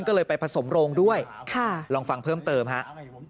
เขาถามว่ามีอะไรเปล่า